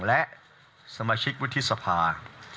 และสมาชิกวุฒิสภา